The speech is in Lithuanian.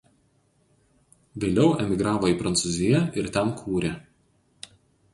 Vėliau emigravo į Prancūziją ir ten kūrė.